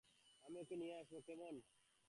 আমি ওকে নিয়ে আসবো, কেমন?